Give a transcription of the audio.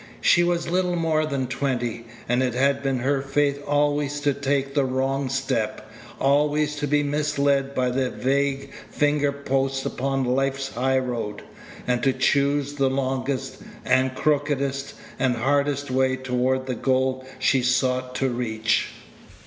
She was little more than twenty; and it had been her fate always to take the wrong step, always to be misled by the vague fingerposts upon life's high road, and to choose the longest, and crookedest, and hardest way toward the goal she sought to reach.